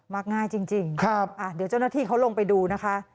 ง่ายจริงเดี๋ยวเจ้าหน้าที่เขาลงไปดูนะคะ